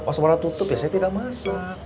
koswara tutup ya saya tidak masak